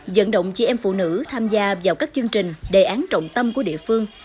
dẫn động chị em phụ nữ tham gia vào các chương trình đề án trọng tâm của địa phương